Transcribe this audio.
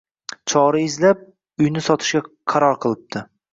Chora izlab, uyni sotishga qaror qilibdi